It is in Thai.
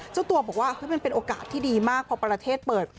เจ้าตัวบอกว่ามันเป็นโอกาสที่ดีมากพอประเทศเปิด